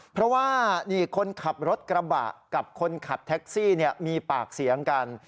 เพราะว่านี่คนขับรถกระบะกับคนขับแท็กซี่มีปากเสียงกัน